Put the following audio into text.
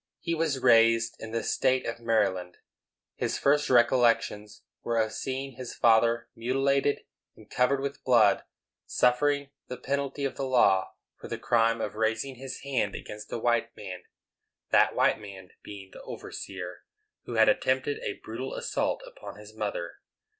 He was "raised" in the State of Maryland. His first recollections were of seeing his father mutilated and covered with blood, suffering the penalty of the law for the crime of raising his hand against a white man,—that white man being the overseer, who had attempted a brutal assault upon his mother.